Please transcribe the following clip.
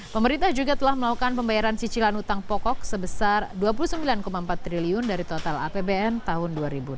pemerintah juga telah melakukan pembayaran cicilan utang pokok sebesar rp dua puluh sembilan empat triliun dari total apbn tahun dua ribu delapan belas